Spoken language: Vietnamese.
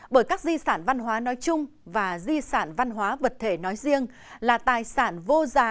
bởi các di sản văn hóa nói chung và di sản văn hóa vật thể nói riêng là tài sản vô giá